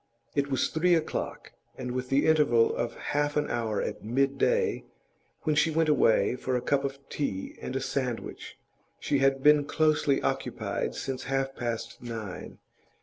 It was three o'clock, and with the interval of half an hour at midday, when she went away for a cup of tea and a sandwich, she had been closely occupied since half past nine.